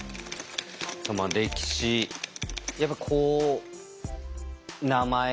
まあ歴史やっぱこう名前がね。